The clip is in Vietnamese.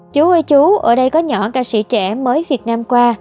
chú ơi chú ở đây có nhỏ ca sĩ trẻ mới việt nam qua